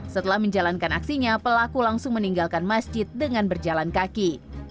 setelah menjalankan aksinya pelaku langsung meninggalkan masjid dengan berjalan kaki